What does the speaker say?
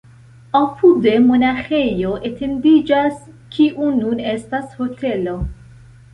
Apude monaĥejo etendiĝas, kiu nun estas hotelo.